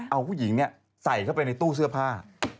เอาผู้หญิงใส่เข้าไปในตู้เสื้อผ้า